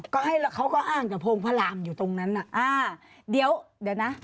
ก็ให้แล้วเขาก็อ้างกับโพงพระรามอยู่ตรงนั้นน่ะอ่าเดี๋ยวเดี๋ยวนะ